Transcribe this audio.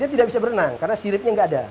dia tidak bisa berenang karena siripnya nggak ada